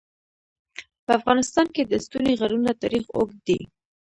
په افغانستان کې د ستوني غرونه تاریخ اوږد دی.